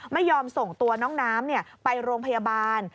ไม่ยอมส่งตัวน้องน้ำไปโรงพยาบาล